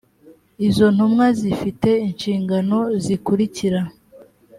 izo ntumwa zifite inshingano zikurikira